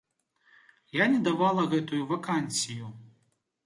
Я не давала гэтую вакансію.